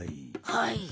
はい。